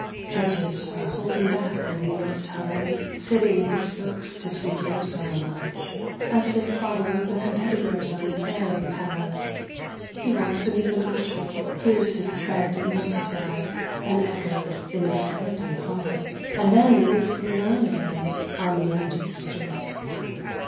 Judges are holding back the wheel of time Fitting the spokes to figures on a watch As they follow the competitors on airy paths. He walks beneath an archway, hears his tread Multiplied and echoed in this empty hall, And then is alone again on the empty street.